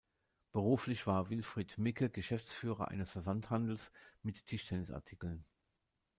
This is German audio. Beruflich war Wilfried Micke Geschäftsführer eines Versandhandels mit Tischtennis-Artikeln.